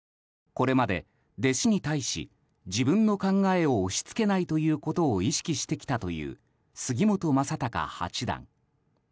これまで、弟子に対し自分の考えを押し付けないということを意識してきたという杉本昌隆八段。